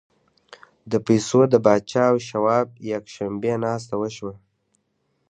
د پیسو د پاچا او شواب یکشنبې ناسته وشوه